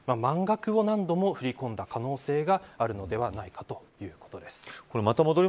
満額を何度も振り込んだ可能性があるのではないかということです。